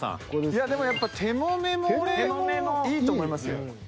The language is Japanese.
いやでもやっぱ「テモメモ」いいと思いますよ。